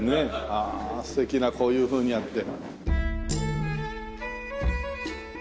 ああ素敵なこういうふうにやって。